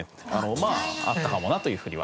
まああったかもなというふうには。